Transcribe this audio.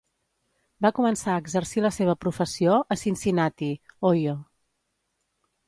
Va començar a exercir la seva professió a Cincinnati, Ohio.